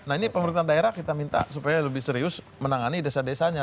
nah ini pemerintah daerah kita minta supaya lebih serius menangani desa desanya